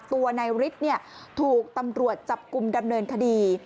ตัวนายฤทธิ์ถูกตำรวจจับกลุ่มดำเนินคดี